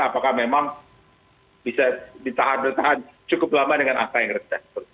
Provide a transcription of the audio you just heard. apakah memang bisa ditahan bertahan cukup lama dengan angka yang rendah